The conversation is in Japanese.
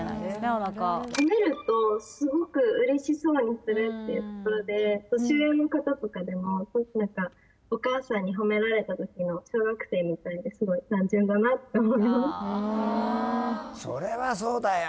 おなか褒めるとすごく嬉しそうにするっていうところで年上の方とかでも何かお母さんに褒められた時の小学生みたいですごいそれはそうだよ